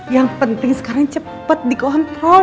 yang penting sekarang cepat dikontrol